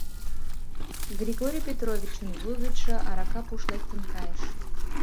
Григорий Петровичын вуй гычше арака пуш лектын кайыш.